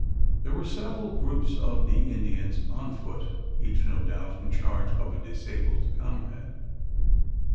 There were several groups of the Indians on foot each no doubt in charge of a disabled comrade.